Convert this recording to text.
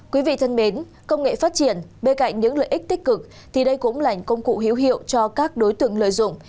quý vị thân mến công nghệ phát triển bên cạnh những lợi ích tích cực thì đây cũng là công cụ hiếu hiệu cho các đối tượng lợi dụng